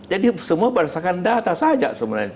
jadi semua berdasarkan data saja sebenarnya